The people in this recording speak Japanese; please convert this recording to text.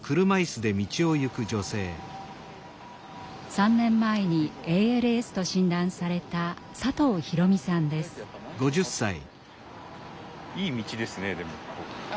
３年前にＡＬＳと診断されたいい道ですねでもここ。